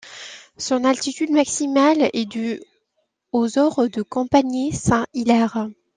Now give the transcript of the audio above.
Son altitude maximale est de au horst de Champagné-Saint-Hilaire.